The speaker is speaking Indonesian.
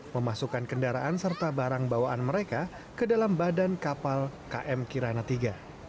memasukkan kendaraan serta barang bawaan mereka ke dalam badan kapal km kirana iii